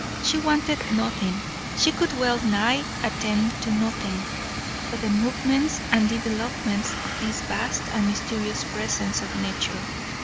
She wanted nothing, she could well nigh attend to nothing, but the movements and developments of this vast and mysterious Presence of nature.